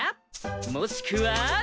もしくは。